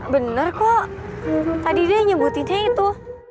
bener kok tadi dia yang nyebutinnya itu